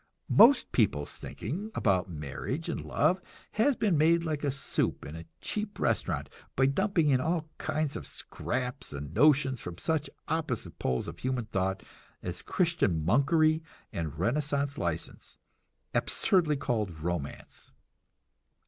Most people's thinking about marriage and love has been made like soup in a cheap restaurant, by dumping in all kinds of scraps and notions from such opposite poles of human thought as Christian monkery and Renaissance license, absurdly called "romance."